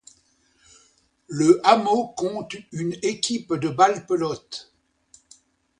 Le hameau compte une équipe de balle pelote.